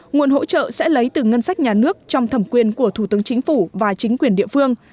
nguồn hỗ trợ sẽ lấy từ ngân sách nhà nước trong thẩm quyền của thủ tướng chính phủ và chính quyền địa phương